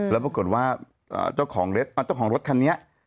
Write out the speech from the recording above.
แล้วปรากฏว่าเจ้าของรถคันนี้